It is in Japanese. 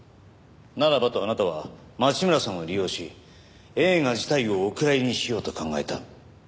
ならばとあなたは町村さんを利用し映画自体をお蔵入りにしようと考えた。